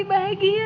iya ibu kak selia